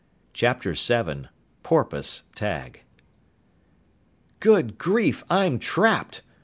CHAPTER VII PORPOISE TAG "Good grief! I'm trapped!"